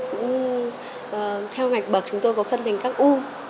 cũng theo ngạch bậc chúng tôi có phân thành các u